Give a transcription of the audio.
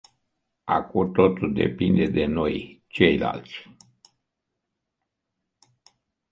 Acum totul depinde de noi, ceilalți.